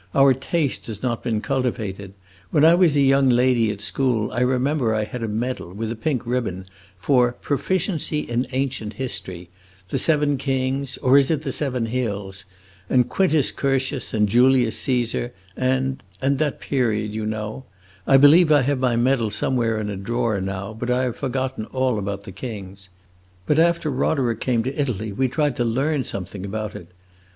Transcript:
Our taste has not been cultivated. When I was a young lady at school, I remember I had a medal, with a pink ribbon, for 'proficiency in Ancient History' the seven kings, or is it the seven hills? and Quintus Curtius and Julius Caesar and and that period, you know. I believe I have my medal somewhere in a drawer, now, but I have forgotten all about the kings. But after Roderick came to Italy we tried to learn something about it.